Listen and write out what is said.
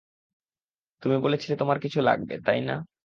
তুমি বলেছিলে তোমার কিছু লাগবে, তাই না?